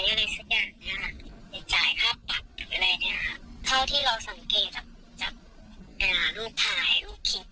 อะไรอย่างเงี้ยครับเท่าที่เราสังเกตจากจากอ่ารูปถ่ายหรือคิด